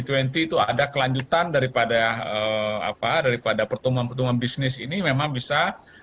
itu ada kelanjutan daripada pertumbuhan pertumbuhan bisnis ini memang bisa